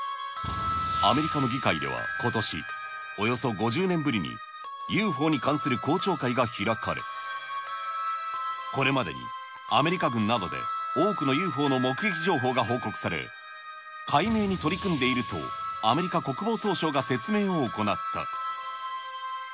アメリカの議会ではことし、およそ５０年ぶりにＵＦＯに関する公聴会が開かれ、これまでにアメリカ軍などで、多くのＵＦＯの目撃情報が報告され、解明に取り組んでいるとアメリカ国防総省が説明を行った。